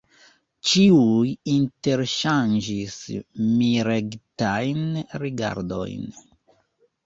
Ĉiuj interŝanĝis miregitajn rigardojn.